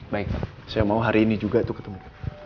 baik saya mau hari ini juga itu ketemu